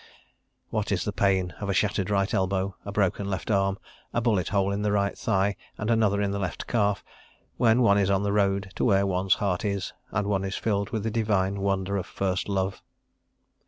What is the pain of a shattered right elbow, a broken left arm, a bullet hole in the right thigh and another in the left calf, when one is on the road to where one's heart is, and one is filled with the divine wonder of first love?